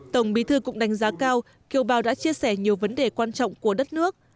tổng bí thư cũng đánh giá cao kiều bào đã chia sẻ nhiều vấn đề quan trọng của đất nước